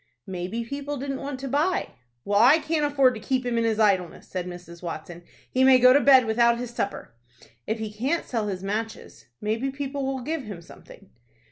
"Maybe people didn't want to buy." "Well, I can't afford to keep him in his idleness," said Mrs. Watson. "He may go to bed without his supper." "If he can't sell his matches, maybe people would give him something."